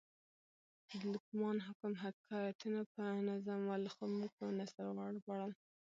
د لقمان حکم حکایتونه په نظم ول؛ خو موږ په نثر وژباړل.